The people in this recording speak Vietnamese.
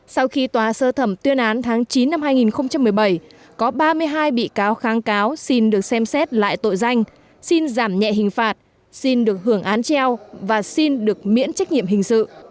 sau khi tòa sơ thẩm tuyên án tháng chín năm hai nghìn một mươi bảy có ba mươi hai bị cáo kháng cáo xin được xem xét lại tội danh xin giảm nhẹ hình phạt xin được hưởng án treo và xin được miễn trách nhiệm hình sự